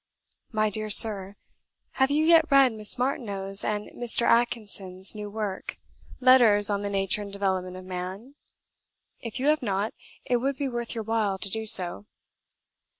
"My dear Sir, Have you yet read Miss Martineau's and Mr. Atkinson's new work, 'Letters on the Nature and Development of Man'? If you have not, it would be worth your while to do so.